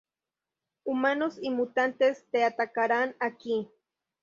Humanos y mutantes te atacarán aquí.